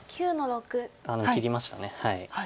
あっ切りました。